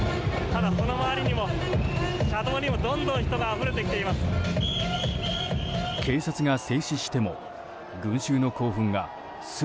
ただ、その周り、車道にもどんどん人があふれてきています。